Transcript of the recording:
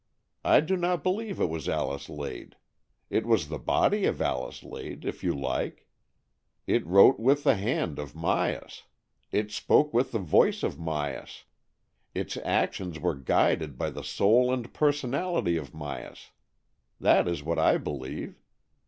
I do not believe it was Alice Lade. It was the body of Alice Lade, if you like. It wrote with the hand of Myas. It spoke with the voice of Myas. Its actions were guided by the soul and personality of Myas. That is what I believe.